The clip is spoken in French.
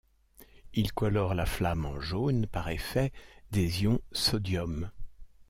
Il colore la flamme en jaune, par effet des ions sodium.